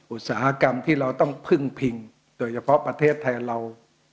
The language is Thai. อุตสาหกรรมที่เราต้องพึ่งพิงโดยเฉพาะประเทศไทยเรา